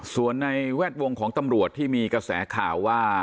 ส่วนในแวดวงของตำรวจที่มีกระแสข่าวว่า